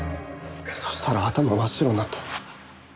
そしたら頭真っ白になって。